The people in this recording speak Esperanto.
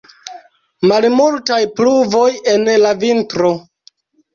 Malmultaj pluvoj en la vintro.